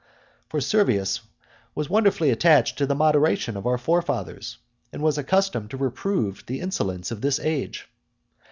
For Servius was wonderfully attached to the moderation of our forefathers, and was accustomed to reprove the insolence of this age.